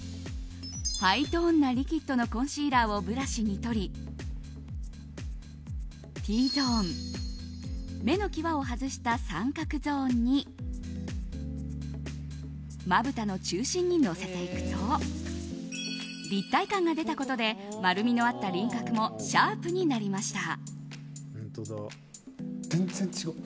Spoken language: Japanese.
ハイトーンなリキッドのコンシーラーをブラシに取りＴゾーン目の際を外した三角ゾーンにまぶたの中心にのせていくと立体感が出たことで丸みのあった輪郭もシャープになりました。